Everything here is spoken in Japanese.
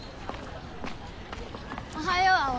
おはよ葵。